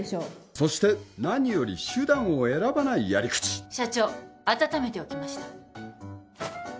そして何より手段を選ばないやり口社長温めておきました